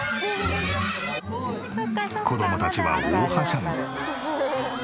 子供たちは大はしゃぎ。